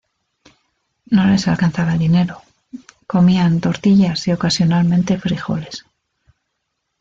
No les alcanzaba el dinero; comían tortillas y ocasionalmente frijoles.